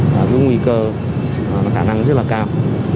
và cái nguy cơ khả năng rất là cao